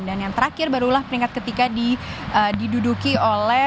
dan yang terakhir barulah peringkat ketiga diduduki oleh